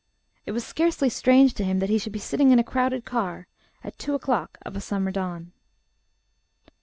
It was scarcely strange to him that he should be sitting in a crowded car at two o'clock of a summer dawn.